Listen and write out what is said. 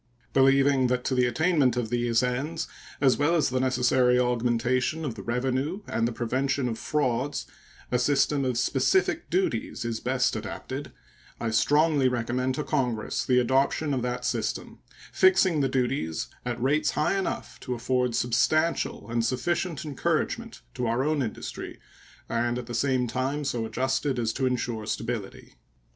Believing that to the attainment of these ends, as well as the necessary augmentation of the revenue and the prevention of frauds, a system of specific duties is best adapted, I strongly recommend to Congress the adoption of that system, fixing the duties at rates high enough to afford substantial and sufficient encouragement to our own industry and at the same time so adjusted as to insure stability.